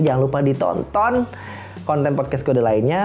jangan lupa ditonton konten podcast kode lainnya